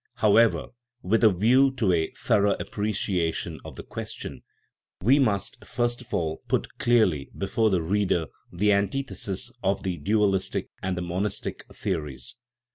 However, with a view to a thorough appreciation of the question, we must first of all put clearly before the reader the antithesis of the dualistic and the monistic theories.